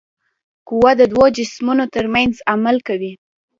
قوه د دوو جسمونو ترمنځ عمل کوي.